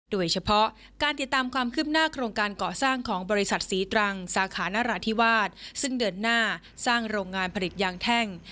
โดยเฉพาะการติดตามความคืบหน้าโครงการเกาะสร้างของบริษัทศรีตรังสาขานราธิวาสซึ่งเดินหน้าสร้างโรงงานผลิตยางแท่ง